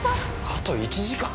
あと１時間。